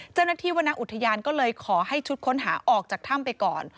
วรรณอุทยานก็เลยขอให้ชุดค้นหาออกจากถ้ำไปก่อน